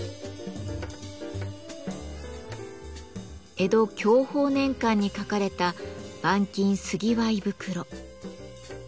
江戸享保年間に書かれた「万金産業袋」。